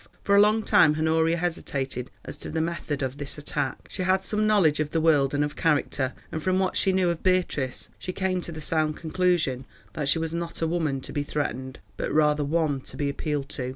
For a long time Honoria hesitated as to the method of this attack. She had some knowledge of the world and of character, and from what she knew of Beatrice she came to the sound conclusion that she was not a woman to be threatened, but rather one to be appealed to.